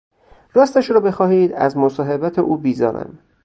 راستش را بخواهید از مصاحبت او بیزارم.